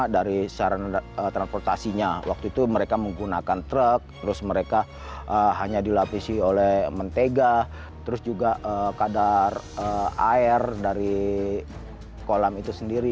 dilapisi oleh mentega terus juga kadar air dari kolam itu sendiri